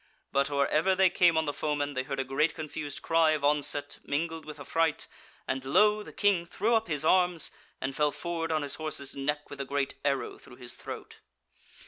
But or ever they came on the foemen, they heard a great confused cry of onset mingled with affright, and lo! the King threw up his arms, and fell forward on his horse's neck with a great arrow through his throat.